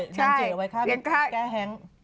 ใช่แก้แฮง